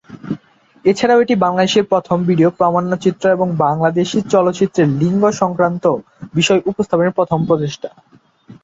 এছাড়াও এটি বাংলাদেশের প্রথম ভিডিও প্রামাণ্যচিত্র এবং বাংলাদেশী চলচ্চিত্রে লিঙ্গ সংক্রান্ত বিষয় উপস্থাপনের প্রথম প্রচেষ্টা।